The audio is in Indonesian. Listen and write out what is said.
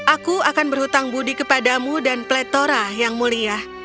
aku akan berhutang budi kepadamu dan pletora yang mulia